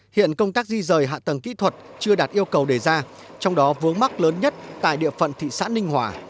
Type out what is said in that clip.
hiện công tác di rời hạ tầng kỹ thuật chưa đạt yêu cầu đề ra trong đó vướng mắc lớn nhất tại địa phận thị xã ninh hòa